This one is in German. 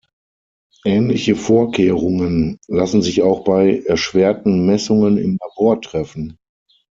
Ähnliche Vorkehrungen lassen sich auch bei erschwerten Messungen im Labor treffen.